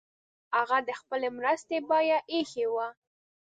هغه د خپلي مرستي بیه ایښې وه.